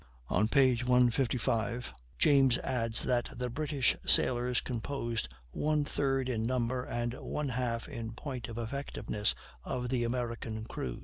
On p. 155 James adds that the British sailors composed "one third in number and one half in point of effectiveness" of the American crews.